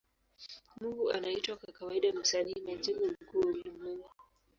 Mungu anaitwa kwa kawaida Msanii majengo mkuu wa ulimwengu.